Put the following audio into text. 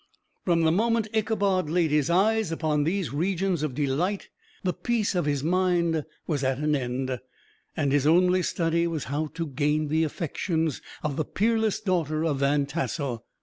From the moment Ichabod laid his eyes upon these regions of delight, the peace of his mind was at an end, and his only study was how to gain the affections of the peerless daughter of Van Tassel.